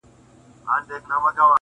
کلونه وروسته هم کيسه ژوندۍ وي.